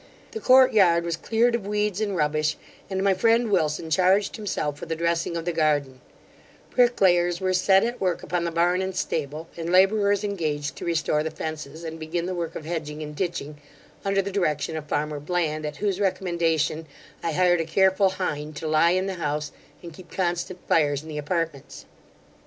The court yard was cleared of weeds and rubbish, and my friend Wilson charged himself with the dressing of the garden; bricklayers were set at work upon the barn and stable; and labourers engaged to restore the fences, and begin the work of hedging and ditching, under the direction of farmer Bland, at whose recommendation I hired a careful hind to lie in the house, and keep constant fires in the apartments.